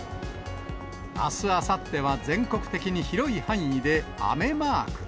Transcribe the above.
あす、あさっては全国的に広い範囲で雨マーク。